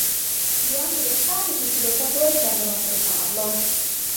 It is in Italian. Durante l'estate tutti i lottatori tendono a portarlo.